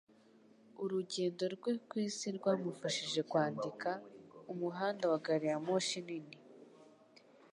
Urugendo rwe ku isi rwamufashije kwandika "Umuhanda wa Gariyamoshi Nini",